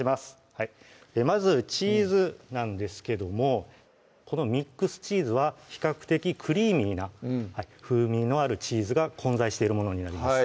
まずチーズなんですけどもこのミックスチーズは比較的クリーミーな風味のあるチーズが混在しているものになります